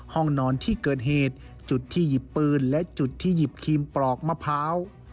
ห้องนอนที่เกิดเหตุจุดที่หยิบปืนและจุดที่หยิบครีมปลอกมะพร้าว